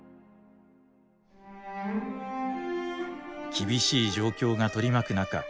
厳しい状況が取り巻く中